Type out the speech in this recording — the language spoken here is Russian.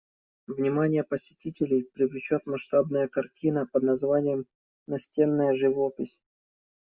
Внимание посетителей привлечет масштабная картина под названием «Настенная живопись».